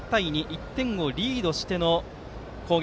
１点をリードしての攻撃。